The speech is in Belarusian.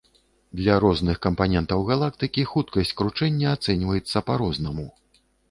Для розных кампанентаў галактыкі хуткасць кручэння ацэньваецца па-рознаму.